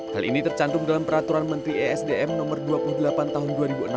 hal ini tercantum dalam peraturan menteri esdm no dua puluh delapan tahun dua ribu enam belas